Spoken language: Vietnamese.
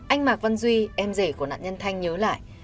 anh mạc văn duy em rể của nạn nhân thanh nhớ lại